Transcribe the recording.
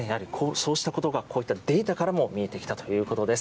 そうしたことが、こういったデータからも見えてきたということです。